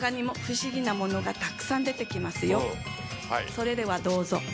それではどうぞ。